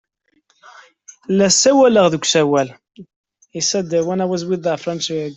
La ssawaleɣ deg usawal.